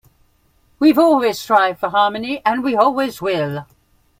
We've always strived for harmony, and we always will.